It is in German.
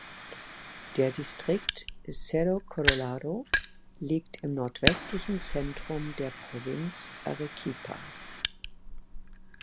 Der Distrikt Cerro Colorado liegt im nordwestlichen Zentrum der Provinz Arequipa.